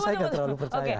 saya gak terlalu percaya